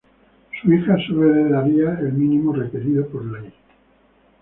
Su hija solo heredaría el mínimo requerido por ley.